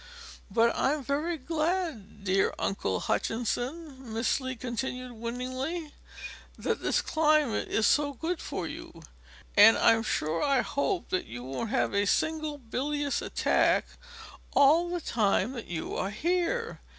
But I'm very glad, dear Uncle Hutchinson," Miss Lee continued, winningly, "that this climate is so good for you, and I'm sure I hope that you won't have a single bilious attack all the time that you are here.